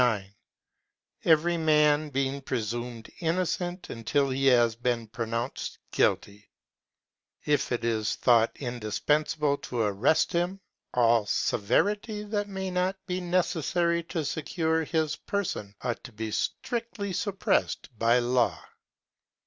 Every man being presumed innocent until he has been pronounced guilty, if it is thought indispensable to arrest him, all severity that may not be necessary to secure his per son ought to be strictly suppressed by law.